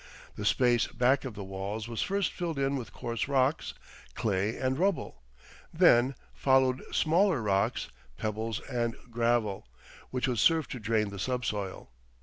The space back of the walls was first filled in with coarse rocks, clay, and rubble; then followed smaller rocks, pebbles, and gravel, which would serve to drain the subsoil.